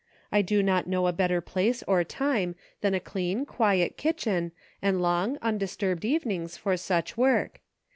I do not know a better place or time than a clean, quiet kitchen and long, undisturbed even ings for such work.